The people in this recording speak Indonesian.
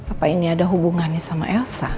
apa ini ada hubungannya sama elsa